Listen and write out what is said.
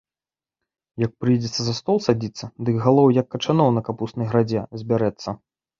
Як прыйдзецца за стол садзіцца, дык галоў, як качаноў на капуснай градзе, збярэцца.